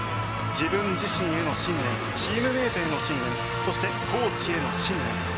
自分自身への信念チームメートへの信念そして、コーチへの信念。